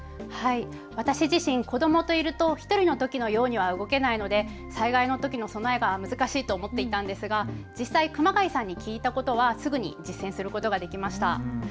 私自身子どもといると１人のときのようには動けないので災害のときの備えは難しいと思っていたんですが実際、熊谷さんに聞いたことはすぐに実践することができました。